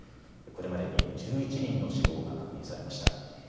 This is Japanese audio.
これまでに１１人の死亡が確認されました。